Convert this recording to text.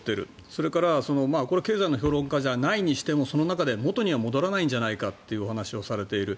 それから経済の評論家じゃないにしてもその中で元には戻らないんじゃないかというお話をされている。